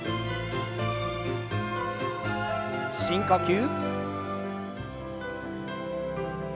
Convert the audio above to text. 深呼吸。